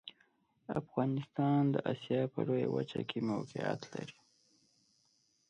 افغانستان د اسیا په لویه وچه کې موقعیت لري.